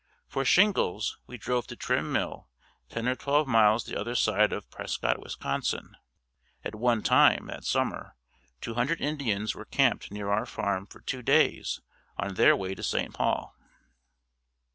For shingles we drove to Trim Mill ten or twelve miles the other side of Prescott, Wis. At one time that summer two hundred Indians were camped near our farm for two days on their way to St. Paul.